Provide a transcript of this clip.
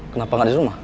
kenapa gak di rumah